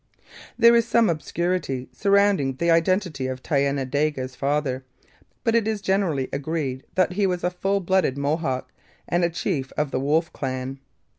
There is some obscurity surrounding the identity of Thayendanegea's father, but it is generally agreed that he was a full blooded Mohawk and a chief of the Wolf clan.